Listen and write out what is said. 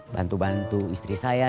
bantu bantu istri saya